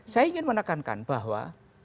saya ingin menekankan bahwa